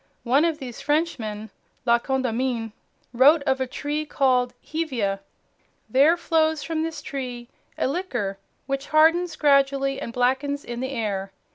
One of these Frenchmen, La Condamine, wrote of a tree called "Hevea" "There flows from this tree a liquor which hardens gradually and blackens in the air."